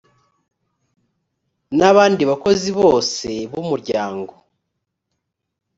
n abandi bakozi bose b umuryango